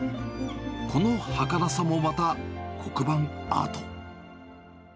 このはかなさもまた、黒板アート。